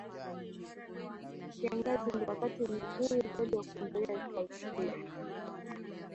Wakati wa kiangazi ndiyo wakati mzuri zaidi wa kutembelea hifadhi hiyo